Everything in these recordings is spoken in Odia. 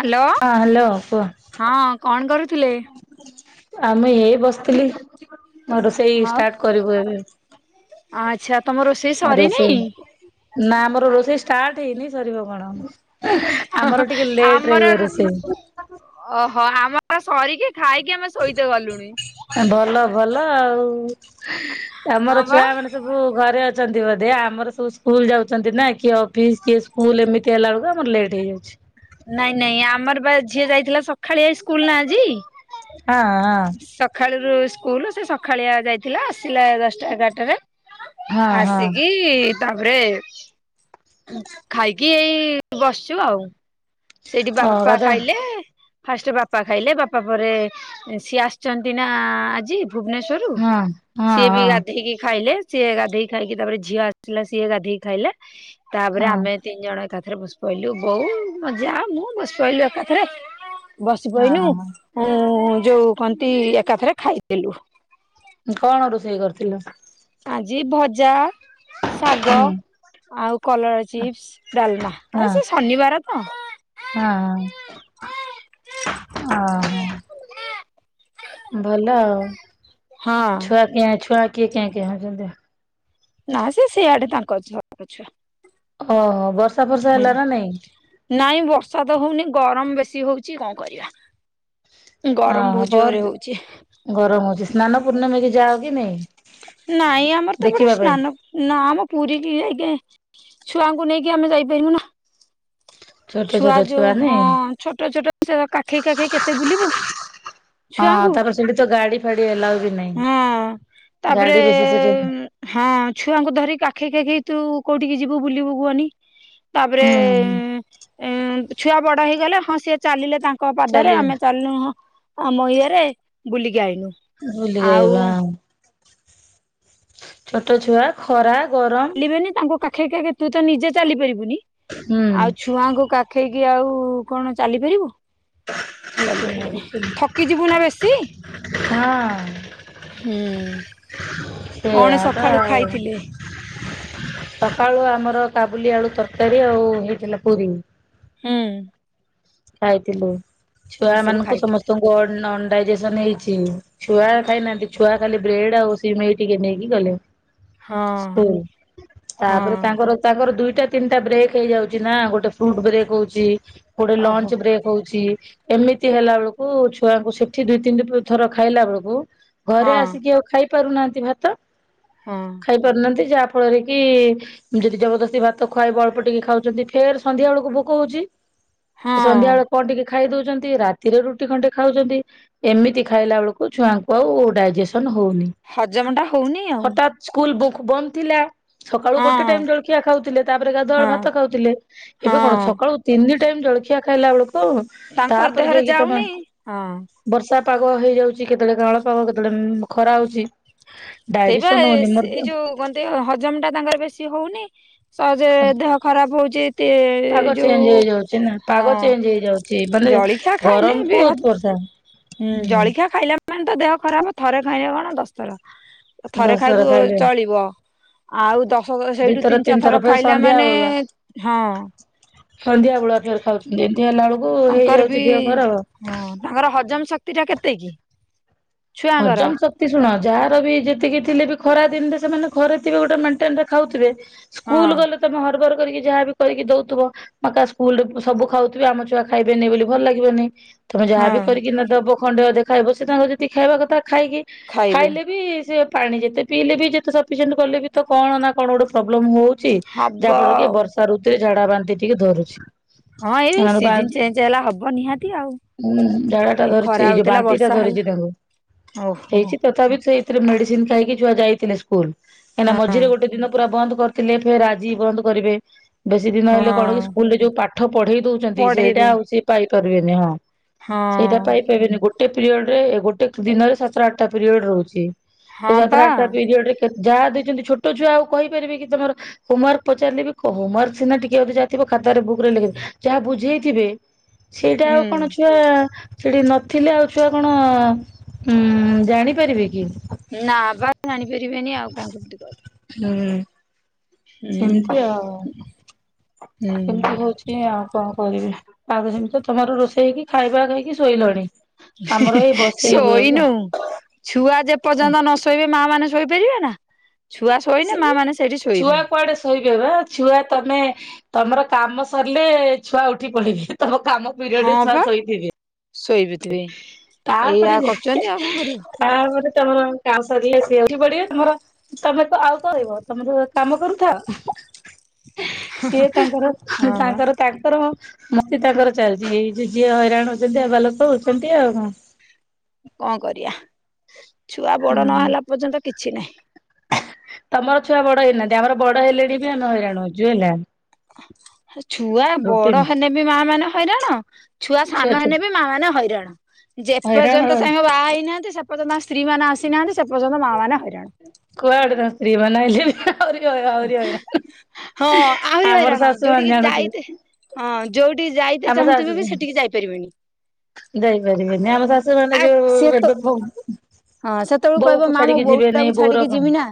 ହାଲୋ ହଁ ହ୍ୟାଲୋ ହଁ କଣ କରୁଥିଲେ? ଆମେ ଏଇ ବସିଥିଲି। ଆ ରୋଷେଇ ଷ୍ଟାର୍ଟ କରିବୁ ଏବେ ଆଚ୍ଛା ତମ ରୋଷେଇ ଆ ସରିନି? ରୋଷେଇ ନା ଆମର ରୋଷେଇ ଷ୍ଟାର୍ଟ ହେଇନି ସରିବ କଣ? ଆମର ଟିକେ ଲେଟ ରେ ଆମର ହୁଏ ରୋଷେଇ ଓହୋ ଆମର ଆ ସରିକି ଖାଇକି ଆମେ ଶୋଇତେ ଗଲୁଣି। ଭଲ ଭଲ ଆଉ ହଁ ଆମର ବା ଛୁଆ ମାନେ ସବୁ ଘରେ ଅ ବଧ ଆମର ସବୁ ସ୍କୁଲ ଯାଉଛ ନାଇଁ ନାଇଁ ଆମର ପା ଝିଅ ହଁ ହଁ। ସକାଳୁରୁ ସ୍କୁଲ ସେ ସକାଳିଆ ଯାଇ ହଁ ହଁ ଆସି ତାପରେ ଖାଇକି ଏଇ ବସିଛୁ ଆଉ। ସେଇଠି ଓ ବାପା ଗାଧୁଆ ଖାଇଲେ ଫାଷ୍ଟ ବାପା ଖାଇଲେ ବାପା ପରେ ସିଏ ଆସିଛନ୍ତି ନା ଆଜି ହଁ ହଁ ସିଏ ହଁ ଗାଧୋଇ ଖାଇକି ତାପରେ ଝିଅ ହଁ। ଆ [unintelligible] ବସି ପଇନୁ ହଁ ହଁ ଯୋଉ କହନ୍ତି କଣ ରୋଷେଇ କରି ଆ ଶାଗ ହୁଁ ହଁ ହଁ ଓ ହ ଭଲ ଆଉ ହଁ ନା ସିଏ ସିଆଡେ ତାଙ୍କର। ଓହୋ ବର୍ଷା ଫର୍ଷା ହେଲା ନା ନାଇଁ? ନାଇଁ ବର୍ଷା ତ ହଉନି ଗରମ ବେଶୀ ହଉଛି କଣ କରିବା? ଗରମ ବହୁତ ଓହୋ ଜୋରରେ ହଉଛି। ଗରମ ହଉଛି ସ୍ନାନ ନାଇଁ ଆମର ତ ପଟେ ଦେଖିବା ପାଇଁ? ସ୍ନାନ ନା ଆମ ପୁରୀ ଛୁଆଙ୍କୁ ନେଇକି ଆମେ ଯାଇପାରିବୁ ନା ଛୋଟ ଛୁଆ ଛୋଟ ଯୋଉ ନାଇଁ? ହଁ ଛୋଟ ହଁ ଛୁଆଙ୍କୁ ତାପରେ ସେଠି ତ ଗାଡି ଫାଡି ହେଲା। ହଁ ତାପରେ ସେଠି ହଁ ଛୁଆଙ୍କୁ ଧରି କା କାଖେଇ କାଖେଇ ତୁ କୋଉଠିକି ଯିବୁ ବୁଲି ହୁଁ। ଛୁଆ ବଡ ହେଇଗଲେ ହଁ ସିଏ ଚାଲିଲେ ତାଙ୍କ ପାଦରେ ଚାଲି ଆମେ ଚାଲିଲୁ ହଁ ଆମ ଇଏରେ ବୁଲି ଆଇନୁ। ଟିକେ ଆଉ ବା ଛୋଟ ଛୁଆ ଖରା। ଗରମ ଚାଲିବେନି ତାଙ୍କୁ କାଖେଇ କାଖେଇ ତୁ ତ ନିଜେ ଚାଲି କି ହୁଁ ଆଉ କଣ ଚାଲିପାରିବୁ? କିଛି ନାହିଁ କିଛି ନାହିଁ। ଚାଲି ହଁ ହୁଁ। କଣ ସେଇଆ ତ ସକାଳୁ ଆଉ। ଖାଇଥିଲେ? ସକାଳୁ ଆମର କାବୁଲି ଆଳୁ ତରକାରୀ ଆଉ ହେଇଥିଲା ପୁରୀ। ହୁଁ। ଖାଇଥିଲୁ। ଆଉ ସବୁ ଖାଇଥିଲେ ଡାଇଜେସନ ହେଇଛି ଛୁଆ ଖାଇନାହାନ୍ତି ଛୁଆ ଖାଲି ବ୍ରେଡ ଆଉ ସିମେଇ ଟିକେ ନେଇକି ଗଲେ। ହଁ ସ୍କୁଲ ହଁ ତା ଦୁଇଟା ତିନିଟା ବ୍ରେକ୍ ହେଇଯାଉଛି ନା ଗୋଟେ ଫ୍ରୁଟ ବ୍ରେକ ଓହୋ ହଉଛି ଏମିତି ହେଲା ବେଳକୁ ଛୁଆକୁ ସେଠି ଦୁଇ ତିନି ଥର ଖାଇଲା ବେଳକୁ ଘରେ ହଁ ଆସିକି ଆଉ ଖାଇ ପାରୁନାହାନ୍ତି ଭାତ ହଁ ଖାଇ ପାରୁନାହାନ୍ତି ଯାହା ଫଳରେ କି ଯଦି ଜବରଦସ୍ତି ଭାତ ଖୁଆଇବ ଅଳ୍ପ ଟିକେ ଖାଉଛନ୍ତି ଫେର ସନ୍ଧ୍ୟା ବେଳକୁ ଭୋକ ହଉଛି। ସେ ହଁ ସନ୍ଧ୍ୟାବେଳେ କଣ ଟିକେ ଖା ଖାଇ ଦଉଛନ୍ତି ରାତିରେ ରୁଟି ଖଣ୍ଡେ ଖାଉଛନ୍ତି ଏମିତି ଖାଇଲା ବେଳକୁ ଛୁଆଙ୍କୁ ଆଉ ଡାଇଜେସନ ହ ହଉନି ହଜମ ଟା ହଉନି ଆଉ ହଠାତ୍ ସ୍କୁଲ ବୁ ବନ୍ଦ ଥିଲା। ସକାଳୁ ଗୋଟେ ହଁ ଟାଇମ ଜଳଖିଆ ଖାଉଥିଲେ ତାପରେ ଗାଧୁଆଳୁ ହଁ ଭାତ ଖାଉଥିଲେ ଏବେ କଣ ହଁ ସକାଳୁ ତିନି ଟାଇମ ଜଳଖିଆ ଖାଇଲା ବେଳକୁ ଆଉ ତାଙ୍କର ତାପରେ ଦେହରେ ଯାଇକି ତମେ ଯାଉନି ହଁ [inaudible] ବର୍ଷା। ପାଗ ହେଇଯାଉଛି କେତେବେଳେ କାଳ ପାଗ କେତେବେଳେ ଖରା ହଉଛି। ସେଇବା ଡାଇଜେସନ ହଉନି ଏସ୍ ମୋର ଏଇ ଯୋଉ କହନ୍ତି ହଜମ ଟା ତାଙ୍କର ବେଶୀ ହଉନି। ସହଜେ ଦେହ ଖରାପ ହଉଛି ଏତେ ପାଗ ଚେଞ୍ଜ ଯୋଉ ହେଇଯାଉଛି ନା ହଁ। ପାଗ ଚେଞ୍ଜ ହେଇଯାଉଛି ମାନେ ଜଳିଖିଆ ଖାଇଲେ ଗରମ କୁ ବି ହବ ବର୍ଷା ହୁଁ ଜଳିଖିଆ ଖାଇଲା ମାନ ତ ଦେହ ଖରାପ ଥରେ ଖାଇଲେ କଣ ଦଶଥର ଥରେ ଦଶଥର ଖାଇବୁ ଖାଇଲେ ଚଳିବ ଆଉ ଦ [unintelligible] ସେଇଠୁ ଦିଥର ତିନି ଚାରି ଥର ଫେର ଖାଇଲା ସନ୍ଧ୍ୟା ମାନେ ବେଳୁଆ ହଁ। ସନ୍ଧ୍ୟା ବେଳକେରେ ଖାଉଛନ୍ତି ଏମିତି ହେଲା ବେଳକୁ ତାଙ୍କର ହେଇଯାଉଛି ବି ଦେହ ଖରାପ। ହଁ ତାଙ୍କର ହଜମ ଶକ୍ତି ଟା କେତେ କି? ଛୁଆଙ୍କର ହଜମ ଶକ୍ତି ଶୁଣ ଯାହାର ବି ଯେତିକି ଥିଲେ ବି ଖରା ଦିନରେ ସେମାନେ ଘରେ ଥିବେ ଗୋଟେ ମେଣ୍ଟେନରେ ଖାଉଥିବେ ହଁ ସ୍କୁଲ ଗଲେ ତମେ ହରବର୍ କରିକି ଯାହା ବି କରିକି ଦଉଥିବ ମା କା ସ୍କୁଲରେ ସବୁ ଖାଉଥିବେ ଆମ ଛୁଆ ଖାଇବେନି ବୋଲି ଭଲ ଲାଗିବନି। ତମେ ଯାହା ବି ହଁ କରିକି ନ ଦେବ ଖଣ୍ଡେ ଅଧେ ଖାଇବ ସେ ତାଙ୍କ ଯେତିକି ଖାଇବା କଥା। ଖାଇକି ଖାଇବେ ଖାଇଲେ ବି ସେ ପାଣି ଯେତେ ପିଇଲେ ବି ଯେତେ ସଫିସିଏଣ୍ଟ କଲେ ବି ତ କଣ ନା କଣ ଗୋଟେ ପ୍ରୋବ୍ଲେମ୍ ହେଉ ଛି ହବ ଯାହା ଫଳରେ କି ଆଉ ବର୍ଷା ଋତୁରେ ଝାଡା ବାନ୍ତି ଟିକେ ଧରୁଛି। ହଁ ଏଇ ଏମାନଙ୍କୁ ସିଜିନ ଚେଞ୍ଜ ହେଲା ହବ ନିହାତି ଆଉ। ହୁଁ ଝାଡା ଟା ଏ ଧରିଛି ଖରା ଏଇ ଯୋଉ ହଉଥିଲା ବାନ୍ତି ଟା ବର୍ଷା ହେଲା ଧରିଛି ତାଙ୍କୁ। ଓହୋ। ହେଇଛି ତଥାପି ସେଇଥିରେ ମେଡିସିନ ଖାଇକି ଛୁଆ ଯାଇଥିଲେ ସ୍କୁଲ କାହିଁକିନା ହଁ ମଝିରେ ଗୋଟେ ଦିନ ପୁରା ବନ୍ଦ। କରିଥିଲେ ଫେର୍ ଆଜି ବନ୍ଦ କରିବେ। ବେଶୀ ଦିନ ହଁ ହେଲେ କଣ କି ସ୍କୁଲ ରେ ଯୋଉ ପାଠ ପଢେଇ ଦଉଛନ୍ତି ସେଇଟା ପଢେଇବେ ଆଉ ସିଏ ପାଇପାରିବେନି ହଁ। ସେଇଟା ହଁ ପାଇପାରବେନି ଗୋ ଟେ ପିରିୟଡ ରେ ଗୋଟେ ଦିନରେ ସାତ ଆଠଟା ପିରିୟଡ ହୋଉଛି ସେ ହଁ ସାତ ବା ଆଠଟା ପିରିୟଡ ରେ କେ ଯାହା ଦେଇଛନ୍ତି ଛୋଟ ଛୁଆ ଆଉ କହିପାରିବେ କି ତମର ହୋମୱାର୍କ ପଚାରିଲେବି କହୁ ହୋମୱାର୍କ ସିନା ଟିକେ ଅଧେ ଯାହା ଥିବ ଖାତ୍ ତରେ ବୁକରେ ଲଖ ଯାହା ବୁଝେଇଥିବେ ସେଇଟା ଆଉ ହୁଁ କଣ ଛୁଆ ସେଠି ନଥିଲେ ଆଉ ଛୁଆ କଣ? ହୁଁ ଜାଣିପାରିବେ କି। ନା ବା ଜାଣିପାରିବେନି ଆଉ କଣ କେମିତି କରିବ। ହୁଁ ସେମିତି ଆଉ ହୁଁ। କେମିତି ହଉଛି ଆଉ କଣ କରିବି? ଆଗ ସେମିତି ତମର ରୋଷେଇ ହେଇକି ଖାଇବା ଖାଇକି ଶୋଇଲଣି। ଆମର ଏଇ ବସେଇବୁ ଏବେ। ଶୋଇନୁ ଛୁଆ ଯେପର୍ଯ୍ୟନ୍ତ ନ ଶୋଇବେ ମା ମାନେ ଶୋଇପାରିବେ ନା ଛୁଆ ଶୋଇଲେ ମା ମାନେ ସେଇଠି ଛୁଆ ଶୋଇବେ। କୁଆଡେ ଶୋଇବେ ବା ଛୁଆ ତମେ ତମର କାମ ସରିଲେ ଛୁଆ ଉଠି ପଡିବେ। ତମ କାମ ପିରିୟଡ ରେ ହଁ ଛୁଆ ବା ଶୋଇଥିବେ। ଶୋଇପଥିବେ। ତାପରେ ଏଇଆ ଯେ ଏ କରୁଛନ୍ତି ଆଉ କଣ କରିବ। ତାପରେ ତମର କାମ ସରିଲେ ସିଏ ଉଠି ପଡିବେ ତମର ତମେତ ଆଉ କହିବ ତମର କାମ କରୁଥାଅ ସିଏ ତାଙ୍କର ହଁ ବା ତାଙ୍କର ତାଙ୍କର ମସ୍ତି ତାଙ୍କର ଚାଲିଛି ଏଇ ଯେ ଯିଏ ହଇରାଣ ହଉଛନ୍ତି ହେବା ଲୋକ ହଉଛନ୍ତି ଆଉ କଣ? କଣ କରିବା ଛୁଆ ବଡ ହୁଁ ନହେଲା ପର୍ଯ୍ୟନ୍ତ କିଛି ନାହିଁ। ତମର ଛୁଆ ବଡ ହେଇନାହାନ୍ତି ଆମର ବଡ ହେଲେଣି ବି ଆମେ ହଇରାଣ ହଉଛୁ ହେଲା। ଛୁଆ ବଡ ରୁଟିନ୍ ହେଲେ ବି ମା ମାନେ ହଇରାଣ ଛୁଆ ସାନ ହେନେ ବି ମାଆ ମାନେ ହଇରାଣ। ହଇରାଣ ଯେପର୍ଯ୍ୟନ୍ତ [unintelligible] ବାହା ହେଇନାହାନ୍ତି ସେ ପର୍ଯ୍ୟନ୍ତ ତାଙ୍କ ସ୍ତ୍ରୀ ମାନେ ଆସିନାହାନ୍ତି ସେପର୍ଯ୍ୟନ୍ତ ମାଆମାନେ ହଇରାଣ। ନହେଲେ ଆହୁରି ହଇ ଆହୁରି ହଇରାଣ ହଁ ଆହୁରି ଆମର ହଇରାଣ ଶାଶୁମାନେ ଯୋଉଠିକି ଜାଣୁଛୁ। ଯାଇତେ ହଁ ଯୋଉଠିକି ଯାଇତେ ଚାହୁଁଥିବ ବି ସେଠିକି ଯାଇପାରିବନି। ଯାଇ ପାରିବେନି ଆମ ଶାଶୁମାନେ ଆଉ ଯୋଉ ସିଏ ତ ଏବେ [unintelligible] ହଁ ସେତେବେଳକୁ କହିବ ବୋଉକୁ ମା ମୋ ଛାଡିକି ଯିବେନି ବୋଉଟାକୁ ଛାଡିକି ବୋଉର କଣ, ଯିବି ନା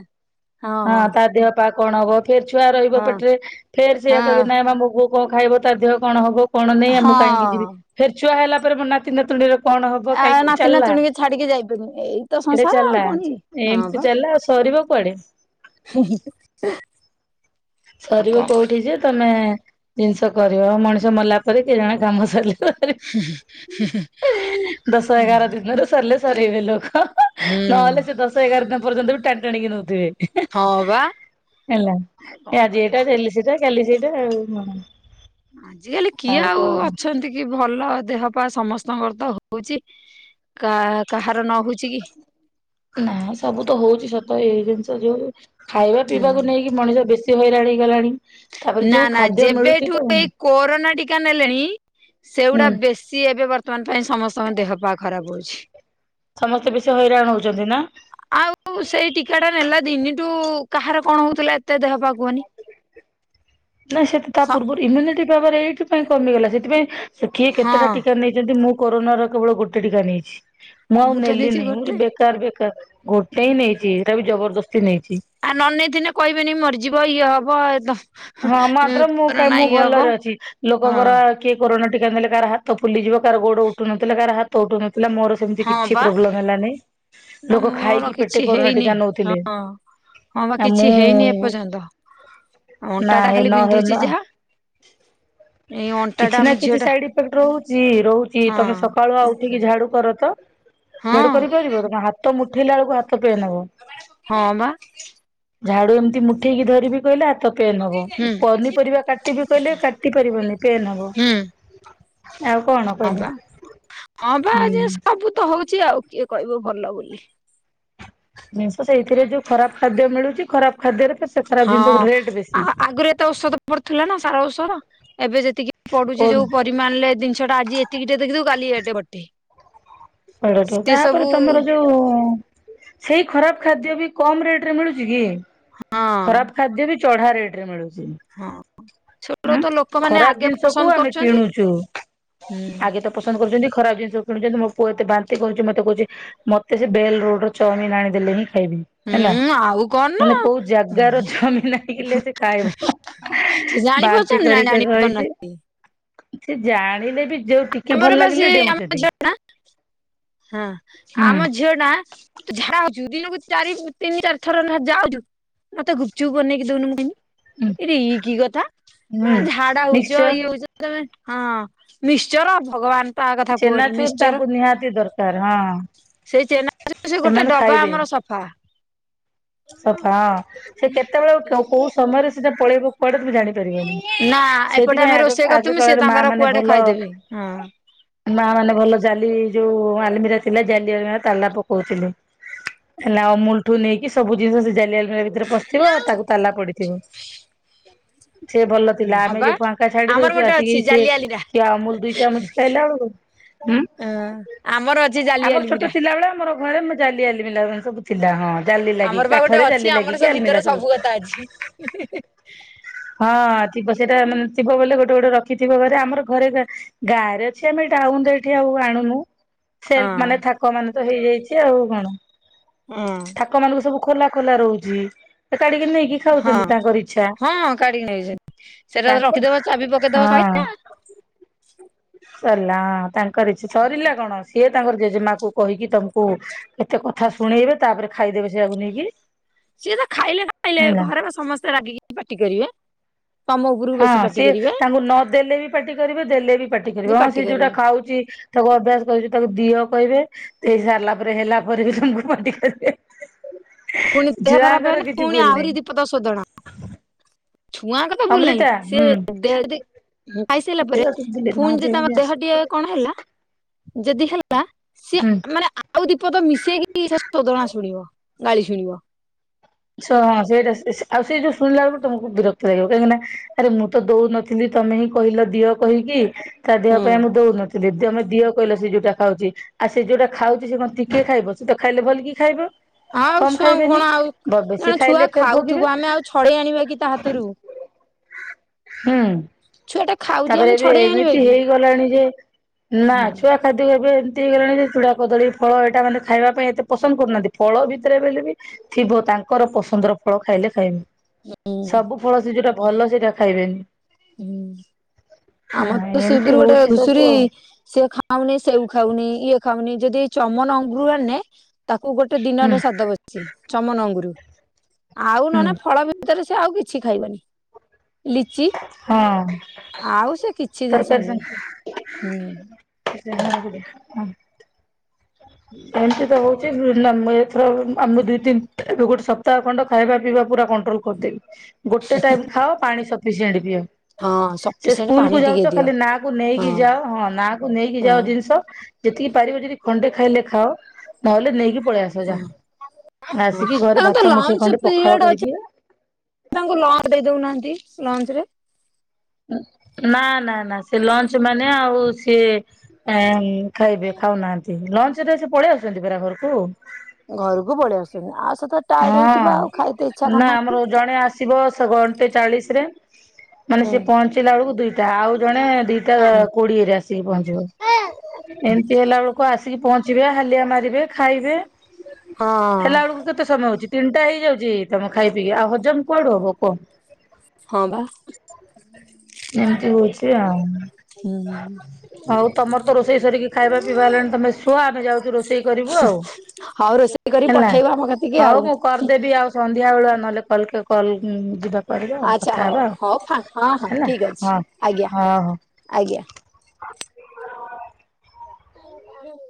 ହଁ ତା ଦେହପା କଣ ହବ। ଫେର୍ ଛୁଆ ରହିବ ହଁ ପେଟରେ ଫେର୍ ସେଇଆ କହିବେ ହଁ ନାଇମା ମୋ ବୋଉ କଣ ଖାଇବ ତା ଦେହ କଣ ହବ। କଣ ନାଇଁ ଆ ମୁଁ କାହିଁକି ଯିବି ହଁ ଫେର୍ ଛୁଆ ହେଲା ପରେ ମୋ ନାତି ନାତୁଣୀର କଣ ହବ ଆ କାହିଁକି ନାତି ଚାଲିଲା, ନାତୁଣୀକି ଛାଡିକି ଯାଇପାରୁନି ଏଇ ତ ଏଟା ସଂସାର ଆଉ ଚାଲିଲା କଣ କି ଏମିତି ଚାଲିଲା ସ ଯିବ କୁଆଡେ। ହୁଁ-ହୁଁ-ହୁଁ। ସରିବ କୋଉଠି ଯେ ତମେ ଜିନିଷ କରିବ ମଣିଷ ମଲା ପରେ କେଜାଣେ କାମ ସରିଲେ ହୁଁ-ହୁଁ-ହୁଁ‌। ଦଶ ଏଗାର ଦିନରେ ସରିଲେ ସରିବେ ଲୋକ। ହୁଁ ନହେଲେ ସେ ଦଶ ଏଗାର ଦିନ ପର୍ଯ୍ୟନ୍ତ ବି ଟାଣି ଟାଣିକି ନଉଥିବେ‌ ହଁ ବା ଆଉ କଣ ଆଜି କରିବା। ଏଇଟା କାଲି ସେଟା କାଲି ସେଇଟା ଆଉ [inaudible] ଆଜିକାଲି କିଏ ଆଉ ଅଛନ୍ତି କି ଭଲ। ଦେହପା ସମସ୍ତଙ୍କର ତ ହଉଛି କା କାହା [inaudible] କି। ନା ସବୁ ତ ହଉଛି ସତ ଏଇ ଜିନିଷ ଯୋଉ ଖାଇବା ହୁଁ। ପିଇବାକୁ ନେଇକି ମଣିଷ ବେଶୀ ସେ ହଇରାଣ ହେଇଗଲାଣି। ତାପରେ ନା ଯୋଉ ନା ଖାଦ୍ୟ ମିଳୁଛି ଯେବେଠୁ ତ ହୁଁ ଏଇ କୋରୋନାଟି ଟିିକା ନେଲେଣି, ସେଗୁଡା ବେଶୀ ଏବେ ବର୍ତ୍ତମାନ ପାଇଁ ସମସ୍ତଙ୍କ ଦେହପା ଖରାପ ହଉଛି। ସମସ୍ତେ ବେଶୀ ହଇରାଣ ହଉଛନ୍ତି ନା? ଆଉ ସେଇ ଟୀକା ଟା [inaudible] କାହାର କଣ ହଉଥିଲା ଏତେ ଦେହପା କୁହନି? ନାଁ ସେଠି ତା ସ ପୂର୍ବରୁ ଇମ୍ୟୁନିଟି ପାୱାର ଏଇଥିପାଇଁ କମିଗଲା ସେଥିପାଇଁ ସେ କିଏ ହଁ କେତେଟା ଟୀକା ନେଇଛନ୍ତି ମୁଁ କରୋନାର କେବଳ ଗୋଟେ ଟୀକା ନେଇଛି। ମୁଁ ଆଉ ତ ନେଇଛି ନେଲିନି, ମୁଁ ଗୋଟେ କହିଲି ବେକାର ବେକାର ଗୋଟେ ହିଁ ନେଇଛି ଏଟା ବି ଜବରଦସ୍ତି ନେଇ ଆଉ ନ ନେଇଥିନେ କହିବେନି ମରିଯିବ ଇଏ ହବ ଏ ତ ହଁ ମାତ୍ର ମୁଁ କାଇଁ କରୋନା ମୁଁ ଇଏ ହବ ଭଲରେ ଅଛି ହଁ ଲୋକଙ୍କର କିଏ କରୋନା ଟୀକା ନେଲେ କାର ହାତ ଫୁଲିଯିବ କାର ଗୋଡ ଉଠୁନଥିଲା କାର ହାତ ଉଠୁନ ଥିଲା ମୋର ସେମିତି ହଁ କିଛି ବା ପ୍ରୋବ୍ଲେମ୍ ହେଲାନେଇ। ନା ମୋର କିଛି ହେଇନି ହଁ ନଉଥିଲେ ହଁ ବା ଆଉ ମୁଁ କିଛି ହେଇନି ଏପର୍ଯ୍ୟନ୍ତ ନା ହେ ଅଣ୍ଟାଟା ନ ଖାଲି ହେଲା ବିନ୍ଧୁଛି ଯାହା ଏଇ ଅଣ୍ଟା ଟା କିଛି ଆମ ନା ଝିଅ କିଛି ଟା ସାଇଡ୍ ଇଫେକ୍ଟ୍ ରହୁଛି ରହୁଛି ହଁ ତମେ ସକାଳୁଆ ଉଠିକି ଝାଡୁ କର। ତ ହଁ ଝାଡୁ କରିପାରିବ, ତମେ ହାତ ମୁଠେଇଲା ବେଳକୁ ହା ହଁ ବା ଝାଡୁ ଏମିତି ମୁଠେଇକି ଧରିବି କହିଲେ ହାତ ପେନ୍ ହବ, ହୁଁ। ପନିପରିବା କାଟିବି କହିଲେ କାଟି ପାରିବନି। ପେନ୍ ହବ। ହୁଁ। ଆଉ କଣ ହଁ କହିଲ ବା, ହଁ ପା ଆଜି ହୁଁ। ସବୁ ତ ହଉ ଛି ଆଉ କିଏ କହିବ ଭଲ ବୋଲି। ଜିନିଷ ସେଇଥିରେ ଯୋଉ ଖରାପ ଖାଦ୍ୟ ମିଳୁଛି ଖରାପ ଖାଦ୍ୟରେ ତ ହଁ, ଆ ଆଗରୁ ଏତେ ଔଷଧ ପଡୁଥିଲା ନା ସାର ଔଷଧ ଏବେ ଯେତିକି ପଡୁଛି ଜ ଯୋଉ ପରିମାଣରେ ଜିନିଷଟା ଆଜି ଏତିକିଟେ ଦେଖିଥିବୁ କାଲି ଏଡେ ବଡଟେ। ପରଠୁ ତାପରେ ତମର ଯୋଉ ସେଇ ଖରାପ ଖାଦ୍ୟ ବି କମ ରେଟରେ ମିଳୁଛି କି? ହଁ। ଖରାପ ଖାଦ୍ୟ ବି ଚଢା ରେଟରେ ମିଳୁ ହଁ ସେଗୁଡା ଉଁ ତ ଲୋକମାନେ ଖରାପ ଆଗେ ଜିନିଷ ପସନ୍ଦ କୁ ଆମେ କରୁଛନ୍ତି। କିଣୁଚୁ। ହୁଁ ଆଗେ ତ ପସନ୍ଦ କରୁଚନ୍ତି। ଖରାପ ଜିନିଷ କିଣୁଛନ୍ତି ମୋ ପୁଅ ଏତେ ବାନ୍ତି କରୁଛି। ମତେ କହୁଛି ମତେ ସେ ବେଲ ରୋଡ ର ଚମିନି ଆଣି ଦେଲେନି। ଖାଇବି ହେଲା ହୁଁ ଆଉ କଣ ନା ମାନେ କୋଉ ଜାଗାର ଚାଉମିନ୍ ଆଣିଲେ ସେ ଖାଇବ? ସେ ଜାଣି ବାନ୍ତି ପାରୁଛନ୍ତି ନା କରି କରି ଜାଣି ରହିଛି। ପାରୁନାହାନ୍ତି ସେ ଜାଣିଲେ ବି ଯୋଉ ଟିକେ ଆମର ଭଲ ବା ସେ ଲାଗିଲେ ଆମ ଡେଉଛନ୍ତି। ଝିଅ ଟା ହଁ ଆମ ହୁଁ ଝିଅ ଟା ଝା ହଉଛୁ ଦିନକୁ ଚାରି ତିନି ଚାରି ଥର ଯାଉଛୁ। ମତେ ଗୁପଚୁପ ବନେଇକି ଦଉନୁ ମୁଁ ଖାଇମି? ଇରେ ଇକି କଥା ହୁଁ ମନେ ଝାଡା ହଉଛ ମିକ୍ସଚର ଇଏ ହଉଛ ତମେ ହଁ ମିଶ୍ଚର ଭଗବାନ ତା କଥା କୁହନି ଚେନାଚୁର ମିଶ୍ଚର ତାଙ୍କୁ ନିହାତି ଦରକାର ହଁ ସେଇ ଚେନା ସେ ଗୋଟେ ସେମାନେ ଡବା ଖାଇବେ ଆମର ସଫା। ସଫା ହଁ ସେ କେତେବେଳେ କୋଉ ସମୟରେ ସେଟା ପଳେଇବ କୁଆଡେ ତ ଜାଣିପାରିବନି। ନା ଏପଟେ ସେଇଥିପାଇଁ ଆମେ ଆଗ ରୋଷେଇ ଆଗ କରିଥିବୁ ସେ କାଳରେ ମା ତାଙ୍କର ମାନେ କୁଆଡେ ଭଲ ଖାଇଦେବେ ହଁ। ମା ମାନେ ଭଲ ଚାଲି ଯୋଉ ଆଲମିରା ଥିଲା ଜାଲିଲମି ତାଲା ପକଉଥିଲୁ। ହେଲା ଆମୁଲଠୁ ନେଇକି ସବୁ ଜିନିଷ ସେ ଜାଲି ଆଲମିର ଭିତରେ ପଶିଥିବ ଆଉ ତାକୁ ତାଲା ପଡିଥିବ। ସେ ଭଲ ଥିଲା ହଁ ଆମେ ବା ଯୋଉ ଫାଙ୍କା ଛାଡି ଆମର ଦଉଛୁ ଗୋଟେ ଆସିକି ଅଛି ସିଏ ଜାଲିଆଲିରା କିଏ ଅମୁଲ ଦିଇ ଚାମଚ ଖାଇଲା ବେଳକୁ ହୁଁ ହଁ। ଆମର ଅଛି ଜାଲି ଆମର ଛୋଟ ଆଲିମିରା ଥିଲାବେଳେ ଆମର ଘରେ ମୁଁ ଜାଲି ଆଲିମିରା ସବୁ ଥିଲା ହଁ ଜାଲି ଲାଗିକି ଆମର ପା ଗୋଟେ କାଠରେ ଜାଲି ଅଛି ଆମର ଲାଗିକି ସେ ଆଲମିରା ଭିତରେ ସବୁ କଥା ଅଛି। ହଁ ଥିବ ସେଇଟା ମାନେ ଥିବ ବୋଲେ ଗୋଟେ ଗୋଟେ ରଖିଥିବ ଘରେ ଆମର ଘରେ ଗାଁ ଗାଁ ରେ। ସେ ଆମେ ଡାଉନରେ ଠିଆ ହଉ ଆଉ ଆଣୁନୁ। ହଁ ସେଲଫ ମାନେ ଥାକ ମାନ ତ ହେଇଯାଇଛି ଆଉ କଣ? ହୁଁ। ଥାକ ମାନଙ୍କୁ ସବୁ ଖୋଲା ଖୋଲା ରୋହୁଚି କାଢିକି ନେଇକି ଖାଉଚନ୍ତି ତାଙ୍କର ଇଚ୍ଛା। ହେଇଚି ସେଟା ତ ତାଙ୍କ ରଖିଦବ ଚାବି ପକେଇଦବ ହଁ ସଇଲା। ସରିଲା ତାଙ୍କର ଇଚ୍ଛା ସରିଲା କଣ ସିଏ ତାଙ୍କର ଜେଜେମା କ କହିକି ତମକୁ ଏତେ କଥା ଶୁଣେଇବେ ତାପରେ ଖାଇଦେବେ ସେଇୟାକୁ ନେଇକି। ସିଏ ତ ଖାଇଲେ ଖାଇଲେ ହେଲା। ଘରେ ସମସ୍ତେ ରାଗିକି ପାଟି କରିବେ। ତମ ଉପରକୁ ହଁ ବେଶୀ ପାଟି ସିଏ କରିବେ ତାଙ୍କୁ ନଦେଲେ ବି ପାଟି କରିବେ ଦେଲେ ବି ପାଟି ଯେ କରିବେ ହଁ ସେ ଯୋଉଟା କରିବେ ଖାଉଚି ତାକୁ ଅଭ୍ୟାସ କରଚୁ ତାକୁ ଦିଅ କହିବେ ଦେଇ ସାରିଲା ପରେ ହେଲା ପରେ ବି ତାମକୁ ପାଟି କରିବେ। ଫୁଣି ଦେହ ଖରାପ ଛୁଆଙ୍କର ହେଏନି କିଛି ଫୁଣି ଭୁଲ ନାହିଁ ଆହୁରି ଦିଇ ପଦ ସୋଦନା। ଛୁଆ କଥା ଭୁଲ ନାହିଁ ଅମୃତା ହୁଁ। ସିଏ ଦେଦି ହୁଁ। ଖାଇସାରିଲା ପରେ ଫୁଣି ଯଦି ତାଙ୍କ ଦେହ ଟିକେ କଣ ହେଲା। ଯଦି ହେଲା ହୁଁ। ସିଏ ମାନେ ଆଉ ଦିଇ ପଦ ମିଶେଇକି ସେ ଶୋଦଣା ଶୁଣିବ। ଗାଳି ଶୁଣିବ। ହଁ ସେଇଟା ଆଉ ସେ-ସେ-ସେଇ ଯୋଉ ଶୁିଲା ବେଳକୁ ତମକୁ ବିରକ୍ତ ଲାଗିବ କାହିଁକି ନା ଆରେ ମୁଁ ତ ଦୋଉନଥିଲି। ତମେ ହିଁ କହିଲ ଦିଅ କହିକି ତା ଦେହ ହୁଁ ପାଇଁ ମୁଁ ଦୋଉନଥିଲିି ଆମେ ତମେ ଦିଅ କହିଲ ସେ ଯୋଉଟା ଖାଉଚି ସେ ଯୋଉଟା ଖାଉଚି ସେ କିଏ ଖାଇବ ସ ତ ଖାଇଲେ ଭଲ କି ଖାଇବ। ଆଉ କମ ଛୁଆଙ୍କୁ ଖାଇବେନି କଣ ଆଉ ବ ବେଶୀ ନା ଛୁଆ ଖାଇଲେ ଫେର ଭୋଗିବେ ଖାଉଥିବୁ ଆମେ ଆଉ ଛଡେଇ ଆଣିବା କି ତା ହାତରୁ। ହୁଁ। ଛୁଆ ଟା ଖାଉଛି ତାପରେ ଆମେ ଏବେ ଛଡେଇ ଆଣିବା ଏମିତି କି ହେଇଗଲାଣି ଯେ ନା ହୁଁ ଛୁଆ ଖାଦ୍ୟ ଏବେ ଏମତି ହେଇଗଲାଣି ଚୁଡ଼ା, କଦଳୀ, ଫଳ ଏଇଟା ମାନେ ଖାଇବା ପାଇଁ ଏତେ ପସନ୍ଦ କରୁନାହାନ୍ତି। ଫଳ ଭିତରେ ବ ବି ଥିବ ତା ଙ୍କର ପସନ୍ଦର ଫଳ ଖାଇଲେ ଖାଇମି। ହୁଁ ସବୁ ଫଳ ସେ ଯୋଉଟା ଭଲ ସେଇଟା ଖାଇବେନି। ହୁଁ। ଆମର ହଁ ତ ଏମିତି ସେଦରୁ ଗୋଟେ ହଉଛି ସବୁ ଘୁଷୁରୀ ଆଉ ସିଏ ଖାଉନି ସେଉ ଖାଉନି। ଇଏ ଖାଉନି ଯଦି ଏଇ ଚମନ ଅଙ୍ଗୁରରୁ ଆ ନେ ତାକୁ ଗୋଟେ ହୁଁ ଦିନରେ ସାରିଦବ ବଛି ଚମନ ଅଙ୍ଗୁର ଆଉ ହୁଁ ନନା ଫଳ ଭିତରେ ସେ ଆଉ କିଛି ଖାଇବନି। ଲିଚି ହଁ। ଆଉ ସେ କିଛି ଜିନିଷ ତରକାରୀ ନୁହେଁ ହୁଁ। ସେମତି ତ ହଉଚି [unintelligible] ମୁଁ ଏଥର ଆମ ଦିଇ ତିନି ଗୋଟେ ସପ୍ତାହ ଖଣ୍ଡ ଖାଇବା ପିଇବା ପୁରା କଣ୍ଟ୍ରୋଲ କରିଦେବି ଗୋଟେ ଟାଇମ୍ ଖାଅ ପାଣି ସଫିସିଏଣ୍ଟ୍ ପିଅ। ହଁ। ସେ ସଫିସିଏଣ୍ଟ ସ୍କୁଲ କୁ ପାଣି ଟିକେ ଯାଉଚ ଦିଅ ଖାଲି ନା କୁ ହଁ ନେଇକି ଯାଅ ହଁ ନା କୁ ନେଇକି ହଁ ଯାଅ ଜିନିଷ। ଯେତିକି ପାରିବ ଯେଦି ଖଣ୍ଡେ ଖାଇଲେ ଖାଅ। ନହେଲେ ନେଇକି ପଳେଇ ଆସ ଯା। ହଁ ହଁ ଆସିକି ଘରେ ତାଙ୍କର ତ ଭାତ ମୁଠେ ଲଞ୍ଚ ଖଣ୍ଡେ ପଖାଳ ପିରିୟଡ ଅଛି କରିକି ତାଙ୍କୁ ଲଞ୍ଚ୍ ଦେଇ ଦଉନାହାନ୍ତି ଲଞ୍ଚ୍ ରେ। ନା ନା ନା ସେ ଲଞ୍ଚ୍ ମାନେ ଆଉ ସିଏ ଆମ୍ ଖାଇବେ ଖାଉନାହାନ୍ତି। ଲଞ୍ଚ୍ ରେ ସେ ପଳେଇ ଆସୁଚନ୍ତି ପରା ଘରୁକୁ? ଘରୁକୁ ପଳେଇ ଆସୁଚନ୍ତି। ଆଉ ସେତ ଟାୟାର୍ଡ ହେଇଥିବ ହଁ ଆଉ ଖାଇତେ ଇଚ୍ଛା କରୁନାଆତି। ତ ଘଣ୍ଟେ ଚାଳିଶ ରେ ମାନେ ସେ ହୁଁ ପହଞ୍ଚିଲା ବଳୁକୁ ଦୁଇଟା ଆଉ ଜଣେ ଦିଟା କୋଡିଏରେ ଆସିକି ପହଞ୍ଚିବ। ଏମତି ହେଲା ବେଳକୁ ଆସ୍ ଆସିକି ପହଞ୍ଚିବେ। ହାଲିଆ ମାରିବେ। ଖାଇବେ। ହଁ ହେଲା ବେଳୁକୁ କେତେ ସମୟ ହଉଚି। ତିନିଟା ହେଇଯାଉଚି। ତମ ଖାଇ ପିଇିକି ଆଉ ହଜମ କୁଆଡୁ ହବ କହ? ହଁ ବା। ଏମିତି ହଉଚି ଆଉ। ହୁଁ। ହଉ ତମର ତ ରୋଷେଇ ସରିକି ଖାଇବା ପିଇବା ହେଲାଣି ତମେ ଶୁଅ। ଆମେ ଯାଉଚୁ ରୋଷେଇ କରିବୁ ଆଉ। ହ ହେଲା ହଉ ମୁଁ କରିଦେବି। ଆଉ ସନ୍ଧ୍ୟା ବେଳୁଆ ନହେଲେ କଲକେ କଲ୍ ଉଁ ଯିବା। ଆଚ୍ଛା ହଉ ହଉ ଫାଙ୍କ୍ ହଁ ହଁ। [unintelligible] ହଁ ଠିକ ଅଛି ହଁ ଆଜ୍ଞା ଅ ହଁ। ଆଜ୍ଞା। [inaudible] କହିବେ?